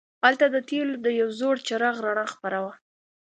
هلته د تیلو د یو زوړ څراغ رڼا خپره وه.